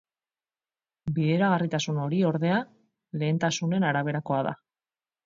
Bideragarritasun hori, ordea, lehentasunen araberakoa da.